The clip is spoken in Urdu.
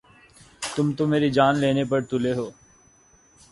تم تو میری جان لینے پر تُلے ہو